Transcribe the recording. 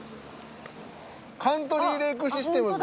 カントリーレイクシステムズ！